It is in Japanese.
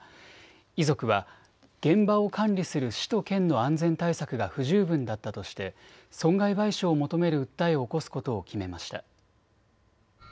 遺族は現場を管理する市と県の安全対策が不十分だったとして損害賠償を求める訴えを起こすことを決めました。